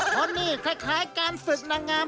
เพราะนี่คล้ายการฝึกนางงาม